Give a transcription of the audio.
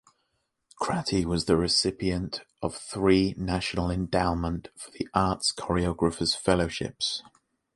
Cratty was the recipient of three National Endowment for the Arts Choreographer's Fellowships.